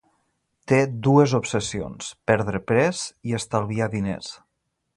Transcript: Té dues obsessions: perdre pes i estalviar diners.